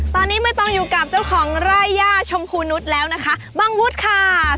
ตอนนี้ไม่ต้องอยู่กับเจ้าของไร่ย่าชมพูนุษย์แล้วนะคะบังวุฒิค่ะ